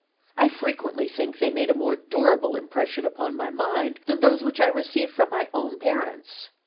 I frequently think they made a more durable impression upon my mind than those which I received from my own parents.